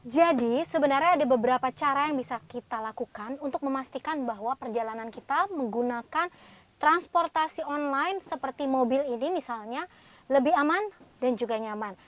jadi sebenarnya ada beberapa cara yang bisa kita lakukan untuk memastikan bahwa perjalanan kita menggunakan transportasi online seperti mobil ini misalnya lebih aman dan juga nyaman